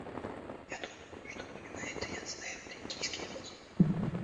Я думаю, что именно это и отстаивает индийский эпос.